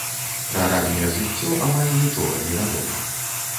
Пра ранняе жыццё амаль нічога невядома.